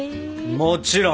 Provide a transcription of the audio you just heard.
もちろん！